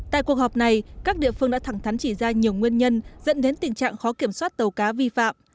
tại cuộc họp này các địa phương đã thẳng thắn chỉ ra nhiều nguyên nhân dẫn đến tình trạng khó kiểm soát tàu cá vi phạm